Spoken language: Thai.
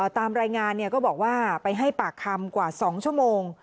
ตามรายงานก็บอกว่าไปให้ปากคำกว่า๒ชั่วโมง